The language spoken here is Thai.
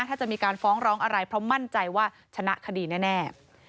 ถ้าจะมีการฟ้องร้องอะไรเพราะมั่นใจว่าชนะคดีแน่